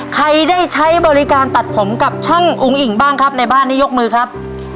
ใครได้ใช้บริการตัดผมกับช่างอุ้งอิ่งบ้างครับในบ้านนี้ยกมือครับ